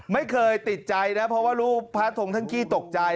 ไม่เคยติดใจรู้พระธงท่านขี้ตกใจ